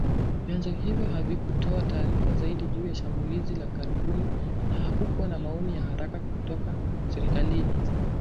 Vyanzo hivyo havikutoa taarifa zaidi juu ya shambulizi la karibuni na hakukuwa na maoni ya haraka kutoka serikalini